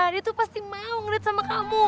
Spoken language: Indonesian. dia tuh pasti mau ngedet sama kamu